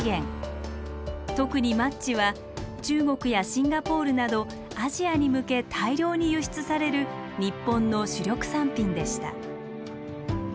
特にマッチは中国やシンガポールなどアジアに向け大量に輸出される日本の主力産品でした。